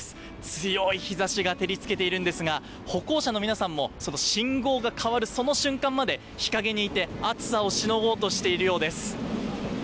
強い日ざしが降り注いでいるんですが、歩行者の皆さんも信号が変わるその瞬間まで日陰にいて、暑さをしのごうとしているようです。